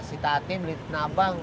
si tati beli tenabang